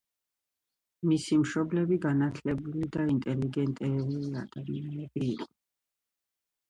მისი მშობლები განათლებული და ინტელიგენტი ადამიანები იყვნენ.